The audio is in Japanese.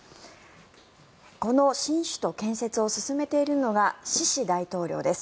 この新首都建設を進めているのがシシ大統領です。